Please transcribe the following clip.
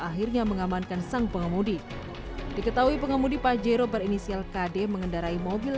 akhirnya mengamankan sang pengemudi diketahui pengemudi pajero berinisial kd mengendarai mobil